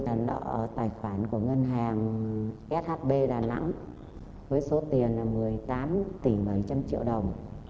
nợ tài khoản của ngân hàng shb đà nẵng với số tiền là một mươi tám tỷ bảy trăm linh triệu đồng